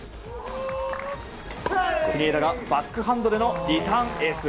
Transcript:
国枝がバックハンドでのリターンエース。